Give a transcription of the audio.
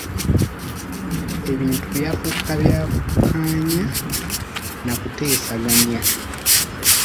Ebintu byafuuka bya kukkaanya n'akuteesaganya.